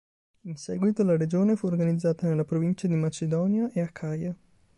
In seguito la regione fu organizzata nella provincia di Macedonia e Acaia.